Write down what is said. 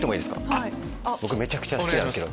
僕めちゃくちゃ好きなんですよ